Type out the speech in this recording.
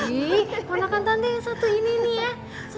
jadi warnakan tante yang satu ini nih ya